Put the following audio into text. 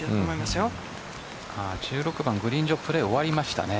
１６番グリーン上プレー終わりましたね。